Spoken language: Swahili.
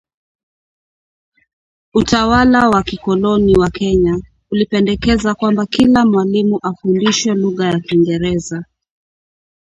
utawala wa kikoloni wa Kenya ulipendekeza kwamba kila mwalimu afundishwe lugha ya Kiingereza